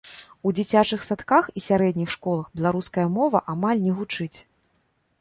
У дзіцячых садках і сярэдніх школах беларуская мова амаль не гучыць.